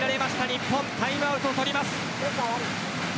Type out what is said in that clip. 日本、タイムアウトを取ります。